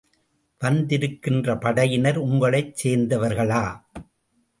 வந்திருக்கின்ற படையினர் உங்களைச் சேர்ந்தவர்களா?